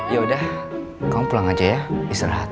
yaudah kamu pulang aja ya istirahat